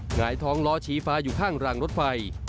หงายท้องล้อชี้ฟ้าอยู่ข้างรางรถไฟ